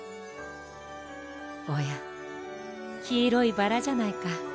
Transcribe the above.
おやきいろいバラじゃないか。